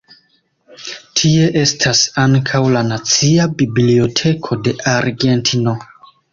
Tie estas ankaŭ la Nacia Biblioteko de Argentino.